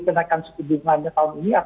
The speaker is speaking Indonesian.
kenaikan setidiknya tahun ini atau enggak